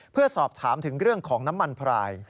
เพื่อสอบถามถึงเรื่องของน้ำมันพราย